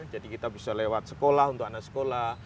jadi kita bisa lewat sekolah untuk anak sekolah